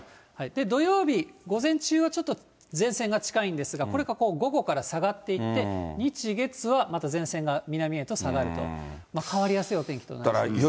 土曜日、午前中はちょっと前線が近いんですが、これが午後から下がっていって、日、月はまた前線が南へと下がると、変わりやすいお天気となります。